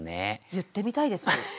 言ってみたいです。